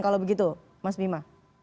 kalau begitu mas bima